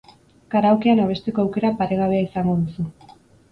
Karaokean abesteko aukera paregabea izango duzu.